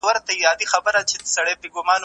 خلک باید د خپل خوړو په اړه فکر وکړي.